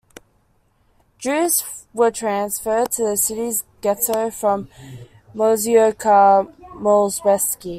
Jews were transferred to the city's ghetto from Moisokh Mazowiecki.